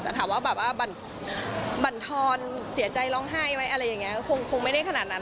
แต่ถามว่าแบบว่าบรรทอนเสียใจร้องไห้ไหมอะไรอย่างนี้ก็คงไม่ได้ขนาดนั้น